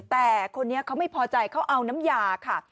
แต่คนนี้เขาไม่พอใจเขาเอาน้ำยาค่ะ